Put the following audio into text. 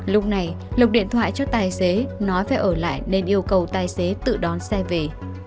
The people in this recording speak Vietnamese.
lúc này lộc điện thoại cho tài xế nói phải ở lại nên yêu cầu tài xế tự đón xe về